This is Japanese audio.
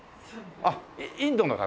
あっインドの方？